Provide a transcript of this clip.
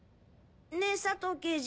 ねぇ佐藤刑事。